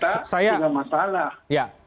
sampai sekarang kita masih berhadapan